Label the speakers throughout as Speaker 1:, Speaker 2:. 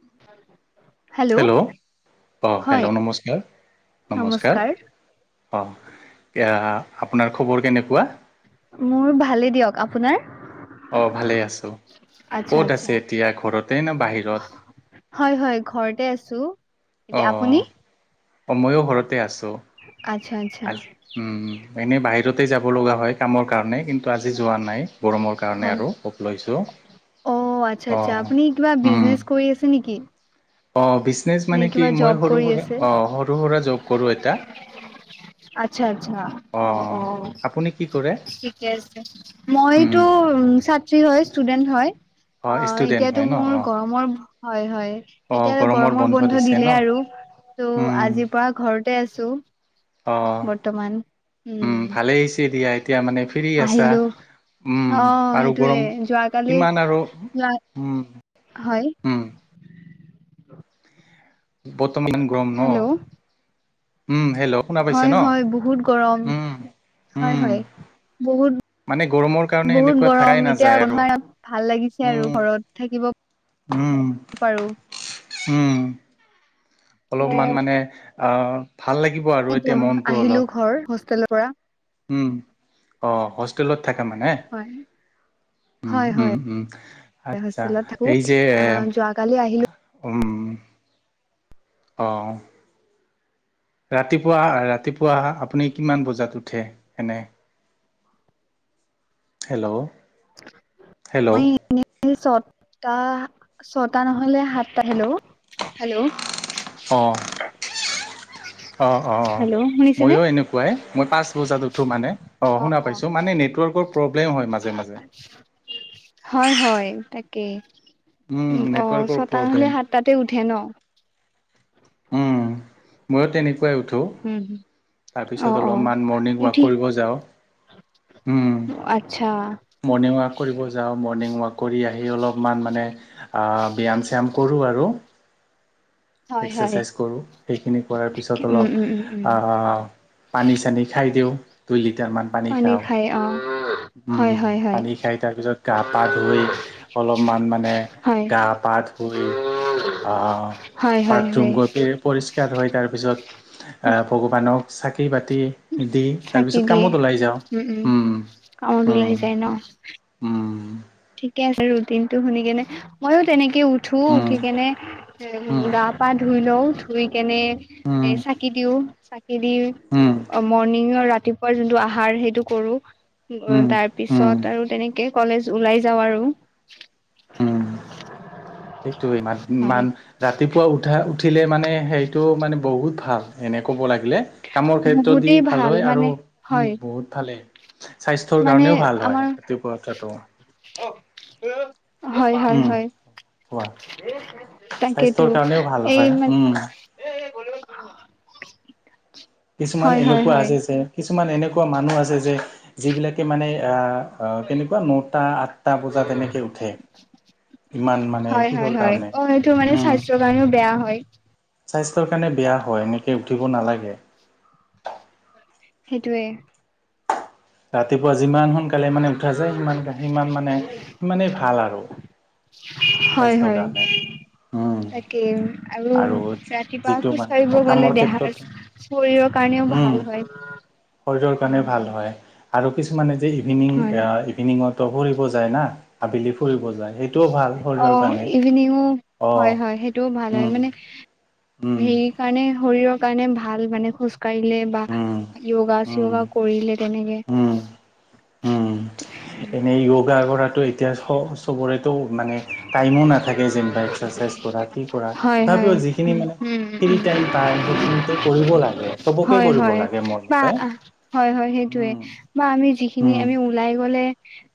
Speaker 1: উম। Hello. অঁহ
Speaker 2: হয়
Speaker 1: hello, নমস্কাৰ- নমস্কাৰ। অহ, এতিয়া আপোনাৰ খবৰ কেনেকুৱা?
Speaker 2: মোৰ ভালেই দিয়ক, আপোনাৰ?
Speaker 1: অহ, ভালে আছো।
Speaker 2: আচ্ছা
Speaker 1: ক'ত
Speaker 2: আচ্ছা
Speaker 1: আছে এতিয়া ঘৰতে না বাহিৰত?
Speaker 2: হয়, হয় ঘৰতে আছো। এতিয়া আপুনি?
Speaker 1: অহ, মইয়ো ঘৰতে আছোঁ।
Speaker 2: আচ্ছা, আচ্ছা।
Speaker 1: আজি উম, উম। এনে বাহিৰতে যাব লগা হয় কামৰ কাৰণে কিন্তু আজি যোৱা নাই গৰমৰ কাৰণে আৰু- অফ লৈছোঁ।
Speaker 2: অহ, আচ্ছা -আচ্ছা।
Speaker 1: অঁ
Speaker 2: আপুনি কিবা বিজনেচ কৰি আছে নেকি?
Speaker 1: অহ, বিজনেচ
Speaker 2: নে
Speaker 1: মানে কি!
Speaker 2: কিবা
Speaker 1: মই
Speaker 2: জব
Speaker 1: সৰু
Speaker 2: কৰি
Speaker 1: সুৰা
Speaker 2: আছে
Speaker 1: অহ, সৰু সুৰা জব কৰোঁ এটা।
Speaker 2: আচ্ছা- আচ্ছা, অহ-
Speaker 1: অঁ
Speaker 2: অহ।
Speaker 1: আপুনি কি কৰে
Speaker 2: ঠিকে আছে।
Speaker 1: উম
Speaker 2: মইতো উম, ছাত্ৰী হয়, ষ্টুডেন্ট হয়।
Speaker 1: অঁ
Speaker 2: অহ,
Speaker 1: ষ্টুডেণ্ট
Speaker 2: এতিয়াতো
Speaker 1: হয় ন
Speaker 2: মোৰ
Speaker 1: অঁ
Speaker 2: গৰমৰ হয় -হয়
Speaker 1: অঁ
Speaker 2: এতিয়া গৰমৰ বন্ধ
Speaker 1: দিছে
Speaker 2: দিলে
Speaker 1: ন
Speaker 2: আৰু। তো' আজিৰ পৰা ঘৰতে আছোঁ।
Speaker 1: অহ, উম ভালেই হৈছে দিয়া এতিয়া মানে- ফ্ৰী আছা,
Speaker 2: আহিলো
Speaker 1: উম
Speaker 2: অ
Speaker 1: আৰু
Speaker 2: সেইটোয়ে
Speaker 1: গৰম
Speaker 2: যোৱাকালি
Speaker 1: কিমান আৰু
Speaker 2: যোৱা
Speaker 1: উম।
Speaker 2: হয়।
Speaker 1: উম। বৰ্তমান গৰম ন!
Speaker 2: হেল্ল'
Speaker 1: উম, হেল্ল'। শুনা পাইছে
Speaker 2: হয়
Speaker 1: ন?
Speaker 2: হয় বহুত গৰম
Speaker 1: উম,
Speaker 2: হয়
Speaker 1: উম।
Speaker 2: হয় বহুত।
Speaker 1: মানে গৰমৰ কাৰণে
Speaker 2: বহুত
Speaker 1: এনেকুৱা থাকাই
Speaker 2: গৰম, এতিয়া
Speaker 1: নাযায় আৰু।
Speaker 2: বন্ধ ভাল লাগিছে আৰু
Speaker 1: উম
Speaker 2: ঘৰত থাকিব।
Speaker 1: উম,
Speaker 2: পাৰো
Speaker 1: উম। অলপমান মানে অঁ, ভাল লাগিব আৰু। এতিয়া মনটো
Speaker 2: আহিলো
Speaker 1: অলপ।
Speaker 2: ঘৰ হোষ্টেলৰ পৰা।
Speaker 1: উম, অ' হোষ্টেলত থাকে মানে।
Speaker 2: হয়
Speaker 1: উম,
Speaker 2: হয়
Speaker 1: উম,
Speaker 2: হয়
Speaker 1: উম আচ্ছা।
Speaker 2: হোষ্টেলত থাকো
Speaker 1: এই যে
Speaker 2: অ যোৱাকালি আহিলো
Speaker 1: উম, অ'। ৰাতিপুৱা ৰাতিপুৱা আপুনি কিমান বজাত উঠে এনেই? হেল্ল'! হেল্ল'
Speaker 2: হয়। এনেই ছটা ছয়টা নহ'লে সাতটা হেল্ল', হেল্ল'।
Speaker 1: অঁ, অঁ, অঁ, অঁ।
Speaker 2: হেল্ল' শুনিছেনে
Speaker 1: মইও এনেকুৱাই মই পাঁচ উঠোঁ মানে, অ' শুনা পাইছোঁ। মানে নেটৱৰ্কৰ প্ৰব্লেম হয় মাজে মাজে
Speaker 2: হয়, হয় তাকেই।
Speaker 1: উম
Speaker 2: অ',
Speaker 1: নেটৱৰ্কৰ
Speaker 2: ছটা নহ'লে
Speaker 1: প্ৰব্লেম
Speaker 2: সাতটাতে উঠে ন?
Speaker 1: উম ময়ো তেনেকুৱাই উঠো।
Speaker 2: হুম, হুম।
Speaker 1: তাৰপিছত অলপমান মৰ্ণিং ৱাক কৰিব যাওঁ।
Speaker 2: আচ্ছা।
Speaker 1: মৰ্ণিং ৱাক কৰিব যা যাওঁ মৰ্ণিং ৱাক কৰি আহি অলপমান মানে ব্যায়াম চ্যায়াম কৰোঁ আৰু।
Speaker 2: হয় হয়
Speaker 1: এক্সাৰচাইজ কৰোঁ, সেইখিনি কৰাৰ পিছত
Speaker 2: উম
Speaker 1: অলপ
Speaker 2: উম উম উম
Speaker 1: আহ পানী চানী খাই দিওঁ, দুই লিটাৰ মান পানী খাওঁ।
Speaker 2: এ অ'।
Speaker 1: উম,
Speaker 2: হয় হয় হয়
Speaker 1: পানী খাই তাৰ পিছত গা পা ধুই অলপমান মানে গা পা ধুই
Speaker 2: হয় হয় হয়
Speaker 1: বাথৰুম
Speaker 2: হয়
Speaker 1: গৈ পৰিষ্কাৰ হয়। তাৰপিছত ভগৱানক চাকি বতি দি
Speaker 2: চাকি
Speaker 1: তাৰপিছত
Speaker 2: দিয়ে
Speaker 1: কামত ওলাই যাওঁ।
Speaker 2: উম উম কামত ওলাই
Speaker 1: উম
Speaker 2: যায় ন?
Speaker 1: উম।
Speaker 2: ঠিকে আছে ৰুটিন টো শুনি কেনে, মইো তেনেকে উঠো উঠি কেনে
Speaker 1: উম উম
Speaker 2: গা পা ধুই লওঁ, ধুই কেনে এ
Speaker 1: উম
Speaker 2: চাকি দিওঁ, চাকি দি
Speaker 1: উম
Speaker 2: অ', মৰ্ণিঙৰ ৰাতিপুৱা যোনটো আহাৰ সেইটো কৰো।
Speaker 1: উম
Speaker 2: তাৰ
Speaker 1: উম
Speaker 2: পিছত আৰু তেনেকে কলেজ ওলাই যা যাওঁ আৰু।
Speaker 1: উম সেইটোৱে ইমান
Speaker 2: হয়,
Speaker 1: ইমান ৰাতিপুৱা উঠা উঠিলে মানে সেইটো মানে বহুত ভাল এনে ক'ব লাগিলে। কামৰ ক্ষেত্ৰত দি
Speaker 2: বহুতেই
Speaker 1: ভাল হয়,
Speaker 2: মানে
Speaker 1: আৰু
Speaker 2: হয়
Speaker 1: উ বহুত ভালেই। স্বাস্থ্যৰ
Speaker 2: মানে
Speaker 1: কাৰণেও ভাল হয়
Speaker 2: আমাৰ
Speaker 1: ৰাতিপুৱা উঠাটো।
Speaker 2: হয়, হয়,
Speaker 1: উম
Speaker 2: হয়।
Speaker 1: কোৱা
Speaker 2: তাকেতো,
Speaker 1: স্বাস্থ্যৰ কাৰণেও ভাল
Speaker 2: এই
Speaker 1: হয়
Speaker 2: মানে
Speaker 1: উম
Speaker 2: এ এ ক। [unintelligible]
Speaker 1: কিছুমান এনেকুৱা আছে যে কিছুমান এনেকুৱা মানুহ আছে যে যিবিলাকে মানে আহ অহ কেনেকুৱা
Speaker 2: হয়
Speaker 1: নটা আঠটা বজাত তেনেকে উঠে। ইমান মানে কিহৰ কাৰণে? উম।
Speaker 2: টো কাৰণেও বেয়া হয়।
Speaker 1: স্বাস্থ্যৰ কাৰণে বেয়া হয় এনেকে উঠিব নালাগে।
Speaker 2: সেইটোয়ে।
Speaker 1: ৰাতিপুৱা যিমান সোনকালে মানে উঠা যায়, সিমান, সিমান মানে সিমানেই ভাল আৰু।
Speaker 2: হয়
Speaker 1: স্বাস্থ্যৰ
Speaker 2: হয়
Speaker 1: কাৰণে, উম।
Speaker 2: তাকে আৰু ৰাতিপুৱা
Speaker 1: যিটো
Speaker 2: খোজ কাঢ়িব
Speaker 1: মানে
Speaker 2: গ'লে
Speaker 1: কামৰ ক্ষেত্ৰত
Speaker 2: দেহাৰ শৰীৰৰ কাৰণেও
Speaker 1: উম
Speaker 2: ভাল হয়।
Speaker 1: শৰীৰৰ কাৰণে ভাল হয়। আৰু কিছুমানে যে ইভিনিং
Speaker 2: হয়
Speaker 1: আ
Speaker 2: হয়
Speaker 1: ইভিনিঙতো ফুৰিব যায় না, আবেলি ফুৰিব যায় সেইটোও ভাল শৰীৰৰ
Speaker 2: অ',
Speaker 1: কাৰণে
Speaker 2: ইভিনিঙু
Speaker 1: অ
Speaker 2: হয়, হয়, সেইটোও ভাল হয়
Speaker 1: উম
Speaker 2: মানে
Speaker 1: উম
Speaker 2: হেৰিৰ কাৰণে শৰীৰৰ কাৰণে ভাল মানে খোজ কাঢ়িলে বা
Speaker 1: উম
Speaker 2: য়োগা
Speaker 1: উম
Speaker 2: চোগা কৰিলে তেনেকে।
Speaker 1: উম উম, এনেই য়োগা কৰাটো এতিয়া চব চবৰেটো মানে টাইমো নাথাকে যেনিবা এক্সাৰচাইজ কৰা, কি কৰা।
Speaker 2: হয়, হয়,
Speaker 1: তথাপিও যিখিনি মানে
Speaker 2: উম। উম
Speaker 1: ফ্ৰী
Speaker 2: উম
Speaker 1: টাইম পাই, সেইখিনিতে কৰিব লাগে, চবকে
Speaker 2: হয়
Speaker 1: কৰিব
Speaker 2: হয়
Speaker 1: লাগে মোৰ
Speaker 2: বা
Speaker 1: মতে।
Speaker 2: হয় হয় সেইটোয়ে
Speaker 1: উম,
Speaker 2: বা আমি যিখিনি
Speaker 1: উম,
Speaker 2: আমি ওলাই গ'লে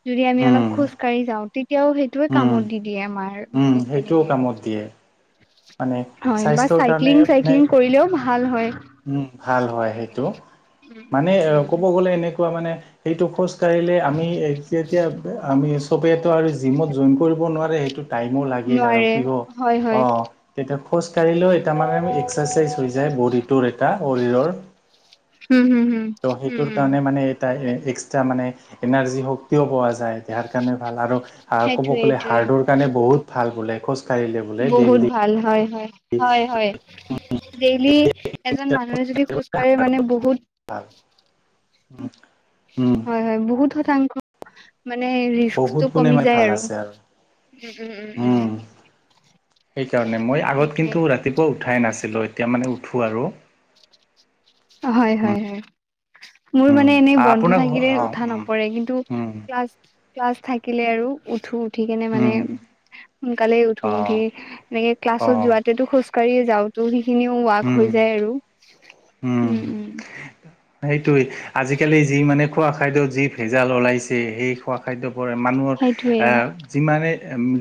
Speaker 2: যদি আমি অলপ
Speaker 1: উম,
Speaker 2: খোজ কাঢ়ি যাওঁ, তেতিয়াও সেই টোৱে
Speaker 1: উম,
Speaker 2: কামত দি দিয়ে আমাৰ,
Speaker 1: উম,
Speaker 2: [unintelligible]
Speaker 1: সেইটোও
Speaker 2: তেনেকে।
Speaker 1: কামত দিয়ে মানে স্বাস্থ্যৰ কাৰণে
Speaker 2: চাইকেলিং,
Speaker 1: মানে
Speaker 2: চাইকেলিং কৰিলেও ভাল হয়,
Speaker 1: উম, ভাল হয় সেইটো। মানে
Speaker 2: [unintelligible]
Speaker 1: ক'ব গ'লে এনেকুৱা মানে এইটো খোজ কাঢ়িলে আমি যেতিয়া আমি চবেইটো আৰু জিমত জইন কৰিব নোৱাৰে সেইটোত টাইমো লাগিল আৰু
Speaker 2: নোৱাৰে
Speaker 1: কি
Speaker 2: হয়
Speaker 1: অ',
Speaker 2: হয়
Speaker 1: তেতিয়া খোজ কাঢ়িলেও তাৰ মানে এক্সাৰচাইজ হৈ যায় বডীটোৰ এটা শৰীৰৰ।
Speaker 2: উম হম হম
Speaker 1: ত'
Speaker 2: উম
Speaker 1: সেইটোৰ
Speaker 2: উম
Speaker 1: কাৰণে মানে এক্সট্ৰা মানে এনাৰজি শক্তিও পোৱা যায়, দেহাৰ কাৰণে ভাল আৰু আৰু ক'ব
Speaker 2: সেইটোয়ে
Speaker 1: গ'লে
Speaker 2: সেইটোয়ে
Speaker 1: হাৰ্টৰ কাৰণে বহুত ভাল বোলে খোজ
Speaker 2: বহুত ভাল হয়, হয়। হয়, হয়, ডেইলি এজন মানুহে যদি খোজ কাঢ়ে মানে বহুত
Speaker 1: ভাল। উম
Speaker 2: হয়, হয় বহুত শতাংশ মানে
Speaker 1: বহুত
Speaker 2: ৰিস্কটো
Speaker 1: গুণে
Speaker 2: কমি
Speaker 1: মানে
Speaker 2: যায়
Speaker 1: ভাল
Speaker 2: আৰু।
Speaker 1: আছে
Speaker 2: উম, উম, উম, উম।
Speaker 1: সেইকাৰণে, মই আগত
Speaker 2: সেইটোয়ে
Speaker 1: কিন্তু ৰাতিপুৱা উঠাই নাছিলোঁ, এতিয়া মানে উঠোঁ আৰু।
Speaker 2: হয়, হয়, হয়। মোৰ মানে এনেই বন্ধ
Speaker 1: আপোনাৰ ঘ
Speaker 2: থাকিলে
Speaker 1: অ
Speaker 2: উঠা নপৰে, কিন্তু
Speaker 1: উম উম
Speaker 2: ক্লাছ ক্লাছ থাকিলে আৰু উঠো। উঠি কেনে মানে
Speaker 1: উম,
Speaker 2: সোনকালে উঠো
Speaker 1: অ
Speaker 2: উঠি এনেকে
Speaker 1: অ
Speaker 2: ক্লাছত যোৱা তেটো খোজ কাঢ়িয়ে যাওঁ, ত' সেইখিনিও ৱাক
Speaker 1: উম
Speaker 2: হৈ যায় আৰু উম, উম।
Speaker 1: সেইটোয়ে, আজিকালি যি মানে খোৱা খাদ্যত যি ভেজাল ওলাইছে সেই খোৱা খাদ্যৰ পৰাই মানুহৰ
Speaker 2: সেইটোৱে
Speaker 1: আ যিমানে,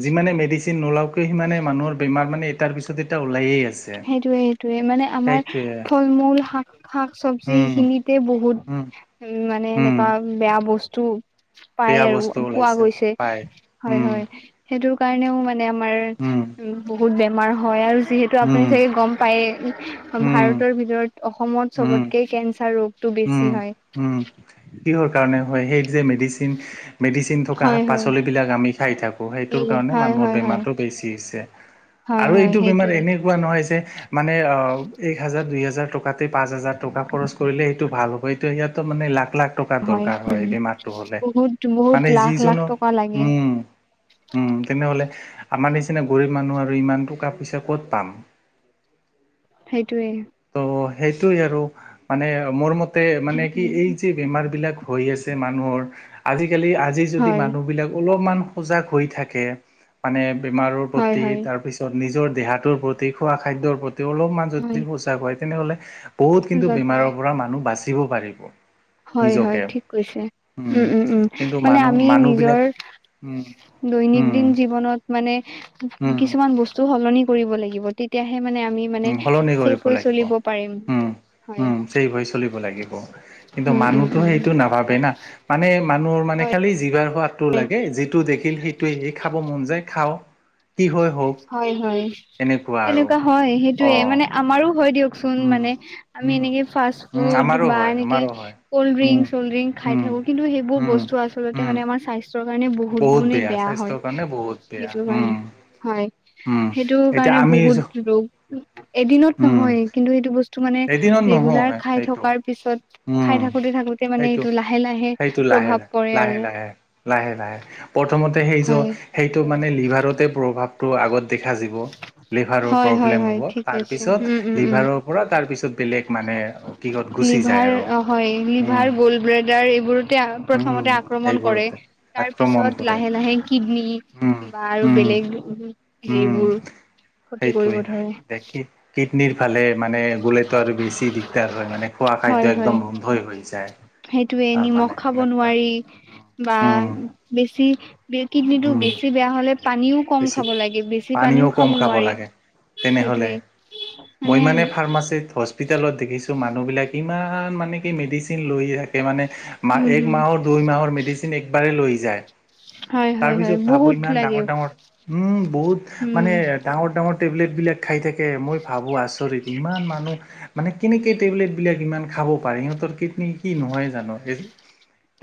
Speaker 1: যিমানে মেডিচিন নোলাওক কিয় সিমানে মানুহৰ বেমাৰ মানে এটাৰ পিছত এটা ওলায়ে আছে।
Speaker 2: সেইটোয়ে, সেইটোয়ে মানে আমাৰ
Speaker 1: সেইটোৱে
Speaker 2: ফল- মূল শাক, শাক চবজি
Speaker 1: উম
Speaker 2: সেইখিনিতে বহুত
Speaker 1: উম।
Speaker 2: উম, মানে
Speaker 1: উম
Speaker 2: এনেকুৱা বেয়া বস্তু পাই
Speaker 1: বেয়া
Speaker 2: আৰু
Speaker 1: বস্তু
Speaker 2: পোৱা
Speaker 1: ওলাইছে
Speaker 2: গৈছে,
Speaker 1: পায়
Speaker 2: হয়,
Speaker 1: উম
Speaker 2: হয়। সেইটোৰ কাৰণেও মানে আমাৰ
Speaker 1: উম
Speaker 2: বহুত বেমাৰ হয় আৰু যিহেতু আপুনি
Speaker 1: উম
Speaker 2: চাগে গম পাইয়ে,
Speaker 1: উম
Speaker 2: ভাৰতৰ ভিতৰত অসমত
Speaker 1: উম
Speaker 2: চবতকে কেঞ্চাৰ ৰোগ তোৰ
Speaker 1: উম,
Speaker 2: বেছি হয়।
Speaker 1: উম। কিহৰ কাৰণে হয় সেই যে মেডিচিন মেডিচিন চিন থকা শাক
Speaker 2: হয় হয়
Speaker 1: পাচলিবিলাক আমি খাই থাকোঁ সেইটোৰ কাৰণে
Speaker 2: হয়
Speaker 1: মানুহৰ
Speaker 2: হয় হয়
Speaker 1: বেমাৰটো বেছি হৈছে।
Speaker 2: হয়
Speaker 1: আৰু
Speaker 2: হয়
Speaker 1: এইটো বেমাৰ
Speaker 2: সেইটোৱে
Speaker 1: এনেকুৱা নহয় যে। মানে অ এক হাজাৰ দুই হাজাৰ টকাতে পাঁচ হাজাৰ টকা খৰচ কৰিলে সেইটো ভাল হব সেইটো সিহঁতৰ মানে লা। লাখ টকাৰ দৰকাৰ হয় এই বেমাৰটো হলে
Speaker 2: বহুত বহুত
Speaker 1: মানে
Speaker 2: লাখ লাখ
Speaker 1: যিজনৰ
Speaker 2: টকা লাগে
Speaker 1: উম উম তেনেহলে আমাৰ নিচিনা গৰীব মানুহ আৰু ইমান টকা পইচা ক'ত পাম।
Speaker 2: সেইটোৱে।
Speaker 1: ত সেইটোৱে আৰু মানে মোৰ মতে মানে কি এই
Speaker 2: উম
Speaker 1: যে। বেমাৰবিলাক হৈ আছে মানুহৰ আজিকালি আজি যদি
Speaker 2: হয়।
Speaker 1: মানুহবিলাক অলপমান। সজাগ হৈ থাকে মানে বেমাৰৰ
Speaker 2: হয়
Speaker 1: প্ৰতি
Speaker 2: হয়
Speaker 1: তাৰ পিছত। নিজৰ দেহাটোৰ প্ৰতি খোৱা খাদ্যৰ প্ৰতি অলপমান
Speaker 2: হয়
Speaker 1: যদি সজাগ হয় তেনেহলে বহুত কিন্তু
Speaker 2: হয়
Speaker 1: বেমাৰৰ পৰা মানুহ বাচিব পাৰিব।
Speaker 2: হয় হয়
Speaker 1: নিজকে
Speaker 2: ঠিক কৈছে উম উম উম
Speaker 1: কিন্তু
Speaker 2: মানে
Speaker 1: মানুহ
Speaker 2: আমি
Speaker 1: মানুহবিলাক
Speaker 2: নিজৰ।
Speaker 1: উম। উম
Speaker 2: দৈনন্দিন জীৱনত। মানে
Speaker 1: উম
Speaker 2: কিছুমান বস্তু সলনি কৰিব লাগিব তেতিয়াহে মানে আমি। মানে
Speaker 1: সলনি কৰিব
Speaker 2: চেভ হৈ
Speaker 1: লাগিব
Speaker 2: চলিব পাৰিম
Speaker 1: উম
Speaker 2: হয়
Speaker 1: উম চেভ হৈ চলিব লাগিব কিন্তু
Speaker 2: উম উম
Speaker 1: মানুহটো
Speaker 2: উম
Speaker 1: সেইটো নাভাবে না মানে মানুহৰ মানে
Speaker 2: হয়
Speaker 1: খালি জিবাৰ সোৱাদ টো লাগে যিটো দেখিল সেইটোৱে সেই খাব মন যায় খাওঁ কি হয় হওক
Speaker 2: হয় হয়
Speaker 1: এনেকুৱা আৰু
Speaker 2: তেনেকুৱা হয়
Speaker 1: অ
Speaker 2: সেইটোয়ে মানে আমাৰো হয় দিয়ক চোন
Speaker 1: উম
Speaker 2: মানে আমি
Speaker 1: উম
Speaker 2: এনেকে ফাৰ্ষ্ট
Speaker 1: উম
Speaker 2: ফুড
Speaker 1: আমাৰো
Speaker 2: বা
Speaker 1: হয়
Speaker 2: এনেকে
Speaker 1: আমাৰো হয়
Speaker 2: কলড্ৰিংছ
Speaker 1: উম
Speaker 2: চলল্ডিংক খাই
Speaker 1: উম
Speaker 2: থাকো কিন্তু সেইবোৰ
Speaker 1: উম
Speaker 2: বস্তু আচলতে
Speaker 1: উম
Speaker 2: আমাৰ মানে স্বাস্থ্য। স্বাস্থ্য কাৰণে বহুত গুণেই বেয়া হয়
Speaker 1: স্বাস্থ্যৰ কাৰণে বহুত বেয়া
Speaker 2: সেইটো কাৰণে
Speaker 1: উম
Speaker 2: হয়
Speaker 1: উম
Speaker 2: সেইটো
Speaker 1: এতিয়া
Speaker 2: কাৰণে
Speaker 1: আমি
Speaker 2: বহুত ৰোগ এদিনত
Speaker 1: উম
Speaker 2: নহয় কিন্তু সেইটো বস্তু। টো মানে
Speaker 1: এদিনত
Speaker 2: ৰেগুলাৰ
Speaker 1: নহয়
Speaker 2: খাই
Speaker 1: সেইটো
Speaker 2: থকাৰ পিছত খাই
Speaker 1: উম
Speaker 2: থাকোতে থাকোতে মানে
Speaker 1: সেইটো
Speaker 2: এইটো লাহে লাহে
Speaker 1: সেইটো লাহে
Speaker 2: প্ৰভাৱ
Speaker 1: লাহে
Speaker 2: পৰে
Speaker 1: লাহে
Speaker 2: আৰু
Speaker 1: লাহে লাহে লাহে প্ৰথমতে সেইজ
Speaker 2: হয়
Speaker 1: সেইটো মানে লিভাৰতে প্ৰভাৱ। টো আগত দেখা যাব লিভাৰৰ
Speaker 2: হয় হয়
Speaker 1: প্ৰব্লেম
Speaker 2: হয়
Speaker 1: হ'ব
Speaker 2: ঠিক কৈছে
Speaker 1: তাৰপিছত
Speaker 2: উম উম উম
Speaker 1: লিভাৰ পৰা তাৰপিছত বেলেগ মানে কিহত গুচি যায়
Speaker 2: লিভাৰ
Speaker 1: আৰু
Speaker 2: অ হয়
Speaker 1: উম
Speaker 2: লিভাৰ গল্ড ব্লাডাৰ এইবোৰতে
Speaker 1: উম
Speaker 2: প্ৰথমতে আ আক্ৰমণ কৰে
Speaker 1: এইবোৰতে
Speaker 2: তাৰ
Speaker 1: আক্ৰমণ
Speaker 2: পিছত
Speaker 1: কৰে
Speaker 2: লাহে লাহে কিডনী
Speaker 1: উম
Speaker 2: বা আৰু
Speaker 1: উম
Speaker 2: বেলেগ। হেৰি
Speaker 1: উম
Speaker 2: বোৰ ক্ষতি কৰিব ধৰে।
Speaker 1: কিডনিৰ ফালে মানে গলেতো আৰু বেছি দিগদাৰ হয় মানে খোৱা
Speaker 2: হয়
Speaker 1: খাদ্য
Speaker 2: হয়
Speaker 1: একদম বন্ধই হৈ যায়।
Speaker 2: সেইটোয়ে
Speaker 1: তাৰ
Speaker 2: নিমখ
Speaker 1: মানে
Speaker 2: খাব
Speaker 1: এনেকুৱা
Speaker 2: নোৱাৰি বা
Speaker 1: উম
Speaker 2: বেছি। কিডনীটো
Speaker 1: উম
Speaker 2: বেছি বেয়া হ'লে পানীও। কম
Speaker 1: বেছি
Speaker 2: খাব লাগে বেছি
Speaker 1: পানীও কম খাব
Speaker 2: নোৱাৰি
Speaker 1: লাগে তেনেহ'লে।
Speaker 2: সেইটোয়ে
Speaker 1: মই মানে ফাৰ্মাচিত হস্পিতেলত দেখিছোঁ মানুহবিলাক ইমান মানে কি মেডিচিন লৈ থাকে মানে মা
Speaker 2: উম
Speaker 1: এক
Speaker 2: হম
Speaker 1: মাহত দুই মাহৰ মেডিচিন একবাৰে লৈ যায়
Speaker 2: হয় হয় হয়
Speaker 1: তাৰপিছত ভাবোঁ
Speaker 2: বহুত
Speaker 1: ইমান
Speaker 2: লাগে
Speaker 1: ডাঙৰ ডাঙৰ। উম বহুত
Speaker 2: উম
Speaker 1: মানে। ডাঙৰ ডাঙৰ টেবলেটবিলাক খাই থাকে মই ভাবো আচৰিত ইমান মানুহ। মানে কেনেকে টেবলেট বিলাক ইমান খাব পাৰে সিহঁতৰ কিডনী কি নহয় জানো এই।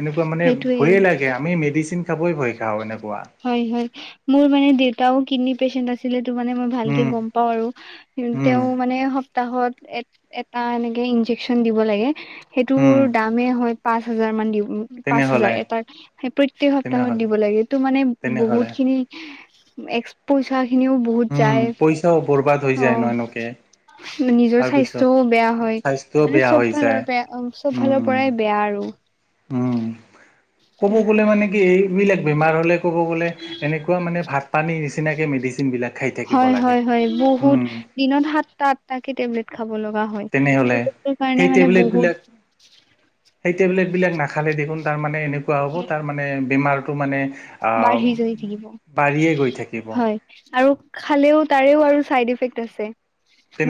Speaker 1: এনেকুৱা মানে
Speaker 2: সেইটোয়ে
Speaker 1: ভয়ে লাগে আমি মেডিচিন খাবই ভয় খাওঁ এনেকুৱা।
Speaker 2: হয় হয় মোৰ মানে দেউতাও কিডনী পেচন্ট আছিলতো মানে ভালকে
Speaker 1: উম
Speaker 2: গম পাওঁ আৰু
Speaker 1: উম
Speaker 2: তেওঁ মানে। সপ্তাহত এ এটা এনেকে ইন্জেকচন দিব লাগে। সেইটোৰ
Speaker 1: উম
Speaker 2: দামেই হয় পাঁচ হাজাৰ মান দিব পাঁচ
Speaker 1: তেনেহ'লে
Speaker 2: হাজাৰ এটা সেই প্ৰত্যেয়েক সপ্তাহত
Speaker 1: তেনেহ'লে
Speaker 2: দিব লাগে এইটো মানে
Speaker 1: তেনেহ'লে
Speaker 2: বহুত খিনি এক্স পইচা খিনিও বহুত
Speaker 1: উম
Speaker 2: যায়,
Speaker 1: পইচাও বৰবাদ হৈ যায় ন
Speaker 2: অহ
Speaker 1: এনেকে
Speaker 2: নিজৰ
Speaker 1: তাৰপিছত
Speaker 2: স্বাস্থ্যও বেয়া হয়।
Speaker 1: স্বাস্থ্যও
Speaker 2: মানে
Speaker 1: বেয়া
Speaker 2: চব
Speaker 1: হৈ যায়
Speaker 2: ফালৰ বেয়া চব ফালৰ
Speaker 1: উম
Speaker 2: পৰাই বেয়া আৰু।
Speaker 1: উম ক'ব
Speaker 2: তেনেকুৱা
Speaker 1: গ'লে মানে কি এইবিলাক বেমাৰ হ'লে ক'ব গ'লে এনেকুৱা মানে ভাত পানী নিচিনাকে মেডিচিন বিলাক খাই থাকিব
Speaker 2: হয়
Speaker 1: লাগে
Speaker 2: হয় হয় বহুত
Speaker 1: উম
Speaker 2: দিনত সাতটা আঠটাকে টেবলেট খাব লগা হয়।
Speaker 1: তেনেহ'লে
Speaker 2: সেইটো কাৰণে
Speaker 1: সেই
Speaker 2: মানে
Speaker 1: টেবলেট
Speaker 2: বহুত
Speaker 1: বিলাক সেই টেবলেট বিলাক নাখালে দেখোন তাৰ মানে এনেকুৱা হ'ব তাৰ মানে বেমাৰটো মানে আহ
Speaker 2: বাঢ়ি যায় থাকিব
Speaker 1: বাঢ়িয়ে গৈ থাকিব।
Speaker 2: হয় আৰু খালেও তাৰেও আৰু চাইড ইফেক্ট আছে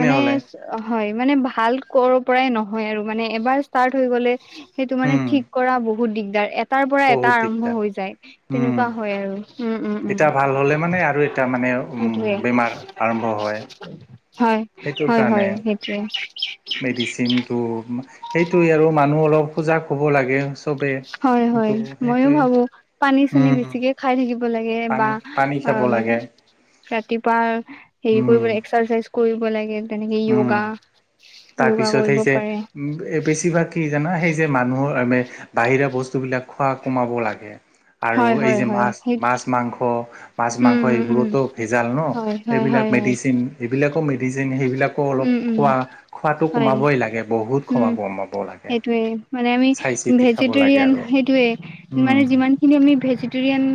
Speaker 2: মানে হয় মানে ভাল কৰ পৰাই নহয় আৰু মানে এবাৰ ষ্টাৰ্ট হৈ গলে সেইটো মানে
Speaker 1: উম
Speaker 2: ঠিক কৰা বহুত দিগদাৰ এটাৰ পৰা এটা
Speaker 1: বহুত
Speaker 2: আৰম্ভ
Speaker 1: দিগদাৰ
Speaker 2: হৈ যায়।
Speaker 1: উম
Speaker 2: তেনেকুৱা হয় আৰু উম উম
Speaker 1: এটা ভাল হ'লে মানে আৰু এটা মানে
Speaker 2: সেইটোৱে।
Speaker 1: বেমাৰ আৰম্ভ হয়
Speaker 2: হয় হয় হয় সেইটোৱে।
Speaker 1: মেডিচিন টো সেইটোৱে আৰু মানুহ অলপ সজাগ হ'ব লাগে চবে।
Speaker 2: হয় হয় ময়ো ভাবো পানী চানি
Speaker 1: উম
Speaker 2: বেছিকে খাই থাকিব লাগে বা
Speaker 1: পানী পানী খাব
Speaker 2: অম
Speaker 1: লাগে
Speaker 2: ৰাতিপুৱা হেৰি
Speaker 1: উম
Speaker 2: কৰিব লাগে এক্সাৰচাইজ কৰিব লাগে। তেনেকে
Speaker 1: উম
Speaker 2: য়োগা, য়োগা
Speaker 1: তাৰপিছত সেই
Speaker 2: কৰিব
Speaker 1: যে
Speaker 2: পাৰে।
Speaker 1: বেছিভাগ কি জানা সেই যে মানুহৰ মানে বাহিৰা বস্তু বিলাক খোৱা কমাব লাগে। আৰু
Speaker 2: হয়
Speaker 1: এই
Speaker 2: হয়
Speaker 1: যে
Speaker 2: হয়
Speaker 1: মাছ
Speaker 2: সেই
Speaker 1: মাছ মাংস মাছ মাংস
Speaker 2: উম উম উম
Speaker 1: এইবোৰতো ভেজাল ন।
Speaker 2: হয় হয়
Speaker 1: এইবিলাক
Speaker 2: হয় হয়
Speaker 1: মেডিচিন এইবিলাকো মেডিচিন সেইবিলাক অলপ
Speaker 2: উম উম
Speaker 1: খোৱা খোৱাটো
Speaker 2: হয়
Speaker 1: কমাবই লাগে বহুত
Speaker 2: উম
Speaker 1: খোৱা কমাব লাগে।
Speaker 2: সেইটোৱে মানে আমি
Speaker 1: চাই চিতি খাব লাগে
Speaker 2: ভেজিটেৰিয়ান
Speaker 1: আৰু
Speaker 2: সেইটোৱে
Speaker 1: উম
Speaker 2: মানে যিমানখিনি আমি ভেজিটেৰিয়ান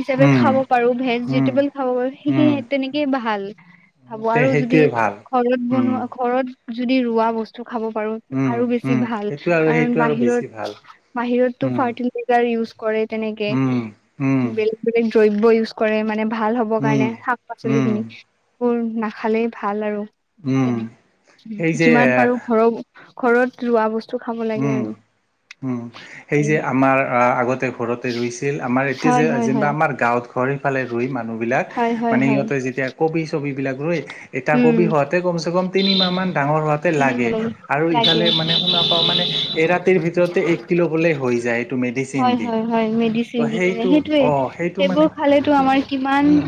Speaker 2: হিচাপে
Speaker 1: উম
Speaker 2: খাব পাৰো
Speaker 1: উম
Speaker 2: ভেজিটেবল খাব পাৰো
Speaker 1: উম
Speaker 2: সেখিনি তেনেকেই ভাল খাব
Speaker 1: তে
Speaker 2: আৰু যদি
Speaker 1: সেইটোৱে ভাল
Speaker 2: ঘৰত
Speaker 1: উম
Speaker 2: বনোৱা ঘৰত যদি ৰোৱা বস্তু খাব পাৰো।
Speaker 1: উম
Speaker 2: আৰু বেছি
Speaker 1: উম
Speaker 2: ভাল
Speaker 1: সেইটো আৰু
Speaker 2: কাৰণ
Speaker 1: সেইটো আৰু বেছি ভাল
Speaker 2: বাহিৰত বাহিৰতটো
Speaker 1: উম
Speaker 2: ফাৰ্টিলাইজাৰ ইউজ কৰে তেনেকে।
Speaker 1: উম উম।
Speaker 2: বেলেগ বেলেগ দ্ৰব্য ইউজ কৰে মানে ভাল হ'বৰ
Speaker 1: উম
Speaker 2: কাৰণে শাক পাচলি
Speaker 1: উম
Speaker 2: খিনি। বোৰ নাখালেই ভাল আৰু।
Speaker 1: উম
Speaker 2: তেনে
Speaker 1: সেই যে
Speaker 2: যিমান পাৰো ঘৰ ঘৰত ৰোৱা বস্তু খাব লাগে
Speaker 1: উম
Speaker 2: আৰু।
Speaker 1: উম। সেই যে আমাৰ আগতে ঘৰতে ৰুইছিল আমাৰ এতিয়া যে
Speaker 2: হয় হয়
Speaker 1: যেনিবা
Speaker 2: হয়
Speaker 1: আমাৰ গাঁৱত ঘৰ সিফালে ৰুই মানুহবিলাক
Speaker 2: হয় হয়
Speaker 1: মানে
Speaker 2: হয়
Speaker 1: সিহঁতে যেতিয়া কবি ছবিবিলাক ৰুই এটা
Speaker 2: উম
Speaker 1: কবি হোৱাতে কমচে কম তিনিমাহ মান ডাঙৰ হোৱাতে
Speaker 2: কিনিব
Speaker 1: লাগে। আৰু
Speaker 2: লাগে
Speaker 1: ইফালে মানে শুনা পাও মানে এ ৰাতিৰ ভিতৰতে এক কিলো বলে হৈ যায় এইটো মেডিচিন
Speaker 2: হয়
Speaker 1: দি
Speaker 2: হয় হয় মেডিচিন
Speaker 1: ত'
Speaker 2: দি কিনে
Speaker 1: সেইটো
Speaker 2: সেইটোয়ে
Speaker 1: অ সেইটো মানে
Speaker 2: সেইবোৰ খালোটো আমাৰ কিমান
Speaker 1: উম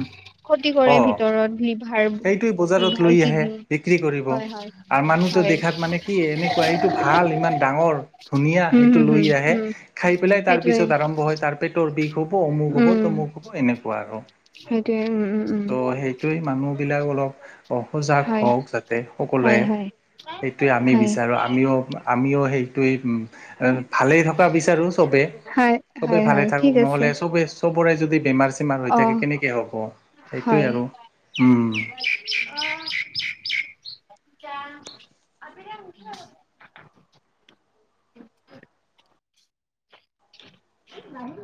Speaker 2: ক্ষতি কৰে ভিতৰত লিভাৰ
Speaker 1: সেইটোৱে বজাৰত
Speaker 2: লিভাৰ
Speaker 1: লৈ আহে
Speaker 2: কিডনী
Speaker 1: বিক্ৰী কৰিব,
Speaker 2: হয় হয়
Speaker 1: আৰু মানুহটো
Speaker 2: হয়
Speaker 1: দেখাত মানে কি এনেকুৱা এইটো ভাল ইমান ডাঙৰ ধুনীয়া
Speaker 2: উম
Speaker 1: সেইটো
Speaker 2: হম হম
Speaker 1: লৈ আহে,
Speaker 2: উম
Speaker 1: খায় পেলাই
Speaker 2: সেইটোৱে
Speaker 1: তাৰপিছত আৰম্ভ হয় তাৰ পেট পেতৰ বিষ হব অমুক হ'ব
Speaker 2: উম
Speaker 1: তমুক হব এনেকুৱা আৰু।
Speaker 2: সেইটোৱে উম উম উম।
Speaker 1: সেই মানুহ বিলাক অলপ অ সজাগ
Speaker 2: হয়
Speaker 1: হওক যাতে সকলোৱে,
Speaker 2: হয় হয়
Speaker 1: সেইটোৱে আমি
Speaker 2: হয়
Speaker 1: বিচাৰোঁ আমিও আমিও সেইটোৱেই উম এ ভালে থকা বিচাৰো চবে,
Speaker 2: হয় হয়
Speaker 1: চবে ভালে
Speaker 2: হয়
Speaker 1: থাকক
Speaker 2: ঠিক আছে
Speaker 1: নহলে চবে সবৰে যদি বেমাৰ চেমাৰ হৈ
Speaker 2: অ
Speaker 1: থাকে কেনেকে হ'ব, সেইটোৱে
Speaker 2: হয়
Speaker 1: আৰু উম।
Speaker 2: [inaudible] [inaudible]